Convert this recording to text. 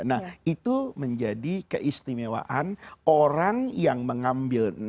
nah itu menjadi keistimewaan orang yang mengambil